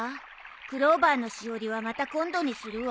クローバーのしおりはまた今度にするわ。